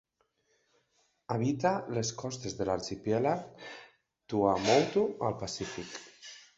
Habita les costes de l'arxipèlag Tuamotu, al Pacífic.